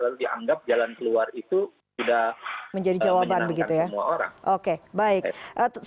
lalu dianggap jalan keluar itu sudah menyenangkan semua orang